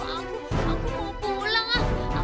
aku mau pulang ah